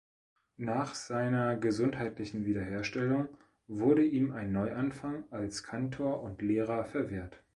Nach seiner gesundheitlichen Wiederherstellung wurde ihm ein Neuanfang als Kantor und Lehrer verwehrt.